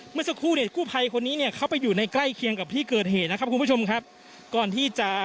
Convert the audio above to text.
เมื่อสักครู่เนี่ยกู้ภัยคนนี้เนี่ยเข้าไปอยู่ในใกล้เคียงกับที่เกิดเหตุนะครับคุณผู้ชมครับก่อนที่จะ